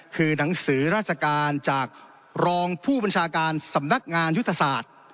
คือหนังสือราชการจากรองผู้บัญชาการสำนักงานยุทธศาสตร์